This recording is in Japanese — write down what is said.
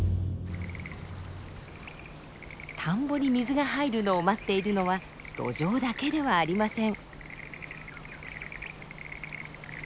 田んぼに水が入るのを待っているのはドジョウだけではありません。